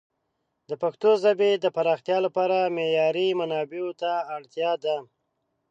د پښتو ژبې د پراختیا لپاره معیاري منابعو ته اړتیا ده.